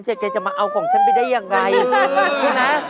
เดี๋ยวเกิดจะมาเอาของฉันไปได้ยังไงนะ